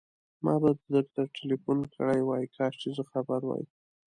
ما به درته ټليفون کړی وای، کاش چې زه خبر وای.